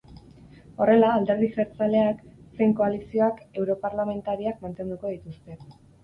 Horrela, alderdi jeltzaleak zein koalizioak europarlamentariak mantenduko dituzte.